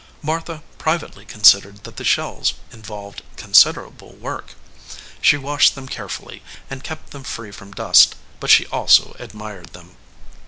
Martha pri vately considered that the shells involved consid erable work. She washed them carefully, and kept them free from dust, but she also admired them.